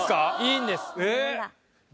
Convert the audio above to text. いいんです。